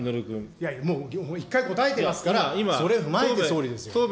いや、もう１回答えてますから、それを踏まえて総理ですよ。